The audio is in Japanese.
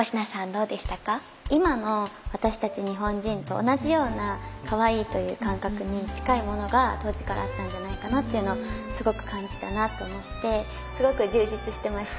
日本人と同じようなかわいいという感覚に近いものが当時からあったんじゃないかなっていうのをすごく感じたなと思ってすごく充実してました。